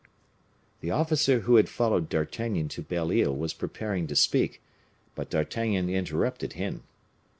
The officer who had followed D'Artagnan to Belle Isle was preparing to speak, but D'Artagnan interrupted him.